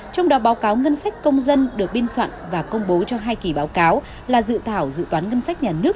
trong đó báo cáo ngân sách công dân được biên soạn và công bố cho hai kỳ báo cáo là dự thảo dự toán ngân sách nhà nước